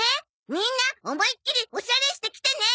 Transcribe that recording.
みんな思いっきりオシャレしてきてね。